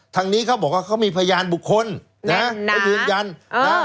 ทางนี้เขาบอกว่าเขามีพยานบุคคลแน่นแล้วยืนยันเออ